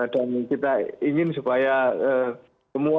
dan kita ingin supaya semua